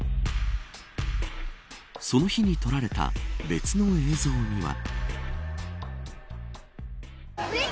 その日に撮られた別の映像には。